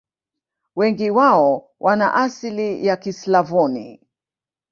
Wengi wao wana asili ya Kislavoni.